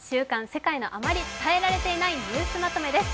世界のあまり伝えられていないニュースまとめです。